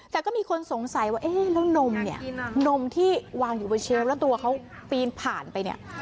แต่ก็มีคนสงสัยว่าเอ๊ะแล้วนมเนี่ยนมที่วางอยู่บนเชลล์แล้วตัวเขาปีนผ่านไปเนี่ย